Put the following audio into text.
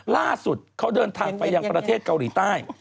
ล่าสุดเขาเดินทางไปยังประเทศเกาหลีใต้